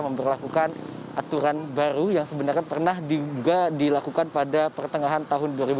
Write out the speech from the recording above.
memperlakukan aturan baru yang sebenarnya pernah juga dilakukan pada pertengahan tahun dua ribu dua puluh